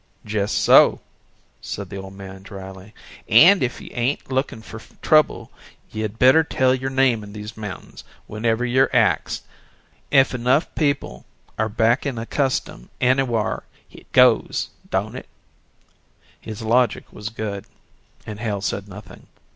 "Jess so," said the old man dryly. "An' if ye ain't looking fer trouble, you'd better tell your name in these mountains, whenever you're axed. Ef enough people air backin' a custom anywhar hit goes, don't hit?" His logic was good and Hale said nothing.